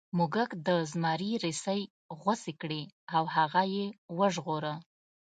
موږک د زمري رسۍ غوڅې کړې او هغه یې وژغوره.